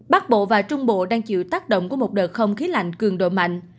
bắc bộ và trung bộ đang chịu tác động của một đợt không khí lạnh cường độ mạnh